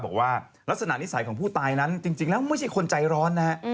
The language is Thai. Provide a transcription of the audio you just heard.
บอกว่าลักษณะนิสัยของผู้ตายนั้นจริงแล้วไม่ใช่คนใจร้อนนะฮะ